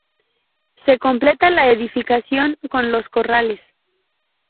Se completa la edificación con los corrales.